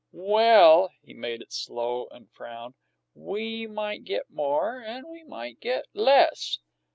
"Well" he made it slow, and frowned "we might get more and we might get less."